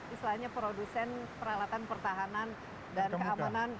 istilahnya produsen peralatan pertahanan dan keamanan